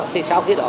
thì sau khi đó